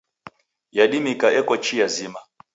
Yadimika eko chia zima.